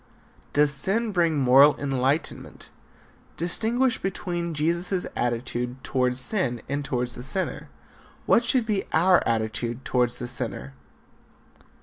Does sin bring moral enlightenment? Distinguish between Jesus' attitude toward sin and toward the sinner. What should be our attitude toward the sinner?